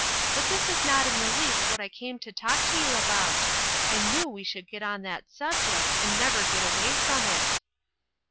But this is not in the least what I came to talk to you about, I knew we should get on that subject, and never get away from it."